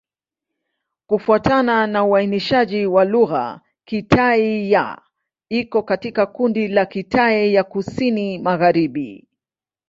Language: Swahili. Kufuatana na uainishaji wa lugha, Kitai-Ya iko katika kundi la Kitai ya Kusini-Magharibi.